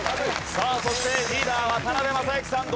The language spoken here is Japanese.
さあそしてリーダー渡辺正行さんどうぞ。